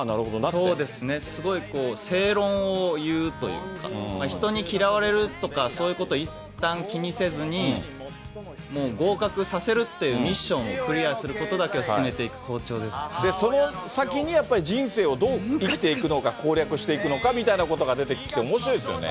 そうですね、すごい正論を言うというか、人に嫌われるとか、そういうことをいったん気にせずに、もう合格させるっていうミッションをクリアすることだけを進めてその先にやっぱり、人生をどう生きていくのか、攻略していくのかみたいなことが出てきて、おもしろいですよね。